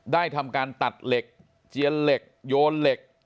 ได้ทำการตัดเหล็กเจียนเหล็กโยนเหล็ก